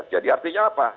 jadi artinya apa